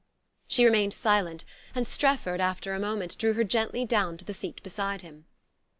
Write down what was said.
She remained silent, and Strefford, after a moment, drew her gently down to the seat beside him.